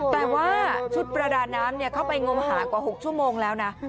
แต่ว่าชุดประดาน้ำเข้าไปงมหากว่า๖ชั่วโมงแล้วนะ